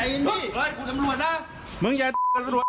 เอิ้นเย็นเอิ้นเย็น